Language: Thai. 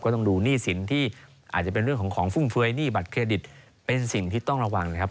ต้องดูหนี้สินที่อาจจะเป็นเรื่องของของฟุ่มเฟยหนี้บัตรเครดิตเป็นสิ่งที่ต้องระวังนะครับ